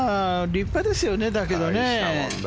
立派ですよね、だけどね。